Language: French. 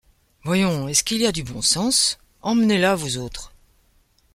Voyons, est-ce qu’il y a du bon sens ? emmenez-la, vous autres !